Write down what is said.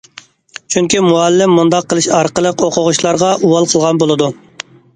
چۈنكى مۇئەللىم مۇنداق قىلىش ئارقىلىق ئوقۇغۇچىلارغا ئۇۋال قىلغان بولىدۇ.